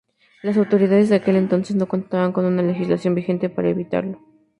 Las autoridades de aquel entonces no contaban con una legislación vigente para evitarlo.